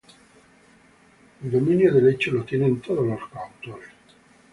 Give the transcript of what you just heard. El dominio del hecho lo tienen todos los coautores.